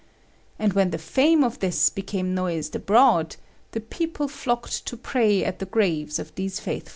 And when the fame of this became noised abroad, the people flocked to pray at the graves of these faithful men.